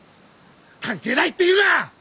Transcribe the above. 関係ないって言うな！